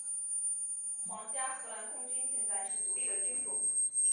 皇家荷兰空军现在是独立的军种。